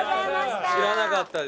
知らなかったです。